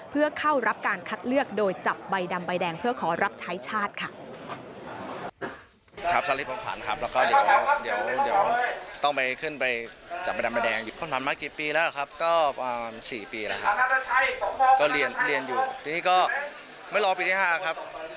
เพื่อเข้ารับการคัดเลือกโดยจับใบดำใบแดงเพื่อขอรับใช้ชาติค่ะ